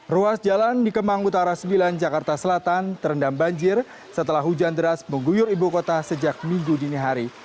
ruas jalan di kemang utara sembilan jakarta selatan terendam banjir setelah hujan deras mengguyur ibu kota sejak minggu dini hari